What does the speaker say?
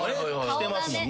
顔がね